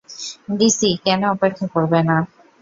DC কেন অপেক্ষা করবে না?